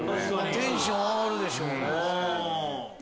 テンション上がるでしょうね。